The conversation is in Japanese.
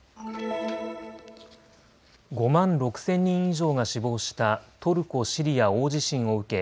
５万６０００人以上が死亡したトルコ・シリア大地震を受け